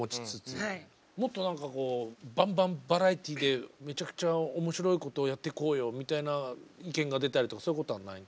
もっと何かこうバンバンバラエティーでめちゃくちゃ面白いことをやってこうよみたいな意見が出たりとかそういうことはないの？